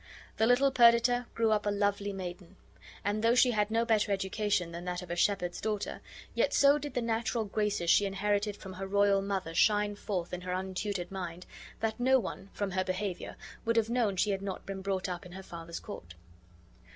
The little Perdita grew up a lovely maiden; and though she had no better education than that of a shepherd's daughter, yet so did the natural graces she inherited from her royal mother shine forth in her untutored mind that no one, from her behavior, would have known she had not been brought up in her father's court.